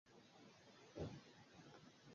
Umuhungu muto arimo kubabara isahani